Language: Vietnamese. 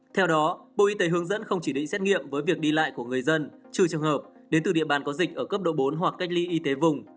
theo đó bộ y tế hướng dẫn không chỉ định xét nghiệm với việc đi lại của người dân trừ trường hợp đến từ địa bàn có dịch ở cấp độ bốn hoặc cách ly y tế vùng